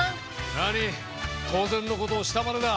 なに当然のことをしたまでだ。